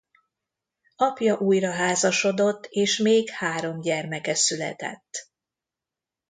Apja újraházasodott és még három gyermeke született.